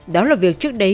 đó là việc trước đấy